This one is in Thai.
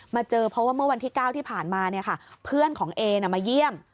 เจอเพราะว่าเมื่อวันที่๙ที่ผ่านมาเพื่อนของเอมาเยี่ยม